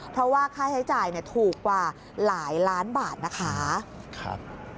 เพราะว่าค่าใช้จ่ายถูกกว่าหลายล้านบาทนะคะ